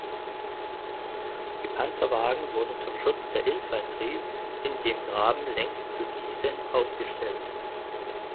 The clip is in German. Die Panzerwagen wurden zum Schutz der Infanterie in dem Graben längs zu diesen aufgestellt.